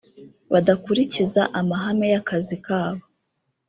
badakurikiza amahame y’akazi kabo